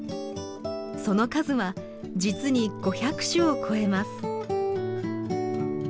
その数は実に５００種を超えます。